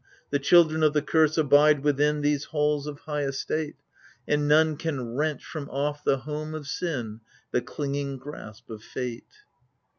The children of the curse abide within These halls of high estate — And none can wrench from off the home of sin The clinging grasp of fate.